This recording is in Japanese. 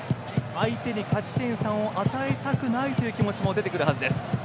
相手に勝ち点３を与えたくないという気持ちも出てくるはずです。